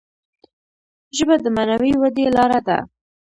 ژبه د معنوي ودي لاره ده.